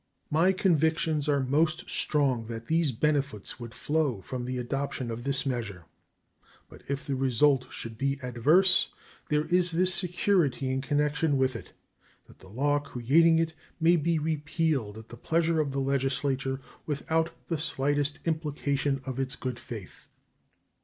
My convictions are most strong that these benefits would flow from the adoption of this measure; but if the result should be adverse there is this security in connection with it that the law creating it may be repealed at the pleasure of the Legislature without the slightest implication of its good faith.